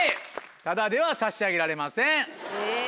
ただでは差し上げられません。